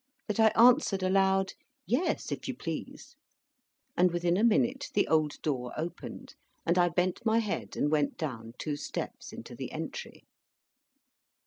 that I answered aloud, "Yes, if you please." And within a minute the old door opened, and I bent my head, and went down two steps into the entry.